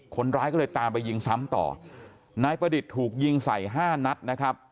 คนร้ายก็เลยตามไปยิงซ้ำต่อนายประดิษฐ์ถูกยิงใส่ห้านัดนะครับ